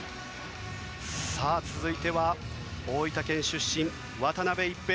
続いては大分県出身渡辺一平。